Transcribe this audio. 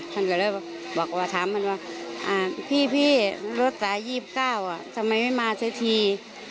ท่านก็เลยบอกว่าถามมันว่าพี่รถสาย๒๙ทำไมไม่มาเสียที